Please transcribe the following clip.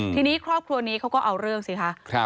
ทีนี้ครอบครัวนี้เขาก็เอาเรื่องสิคะ